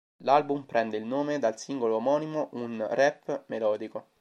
L'album prende il nome dal singolo omonimo, un rap-melodico.